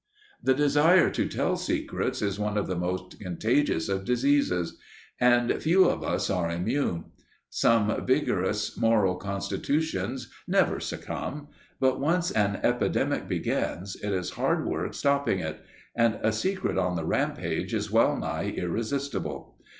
The desire to tell secrets is one of the most contagious of diseases, and few of us are immune. Some vigorous moral constitutions never succumb, but once an epidemic begins, it is hard work stopping it, and a secret on the rampage is well nigh irresistible.